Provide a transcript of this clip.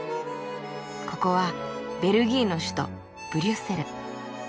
ここはベルギーの首都ブリュッセル。